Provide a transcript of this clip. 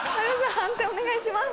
判定お願いします。